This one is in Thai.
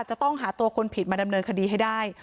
จะต้องหาตัวคนผิดมาดำเนินคดีให้ได้